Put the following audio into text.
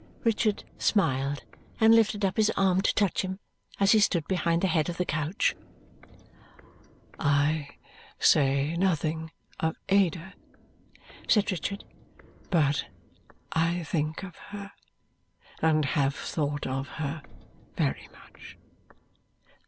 Richard smiled and lifted up his arm to touch him as he stood behind the head of the couch. "I say nothing of Ada," said Richard, "but I think of her, and have thought of her very much.